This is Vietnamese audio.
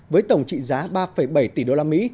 với tổng trị giá ba bảy tỷ usd